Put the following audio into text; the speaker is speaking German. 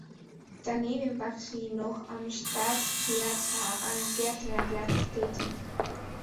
Daneben war sie noch am Staatstheater am Gärtnerplatz tätig.